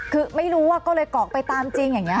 คือไม่รู้ว่าก็เลยกรอกไปตามจริงอย่างนี้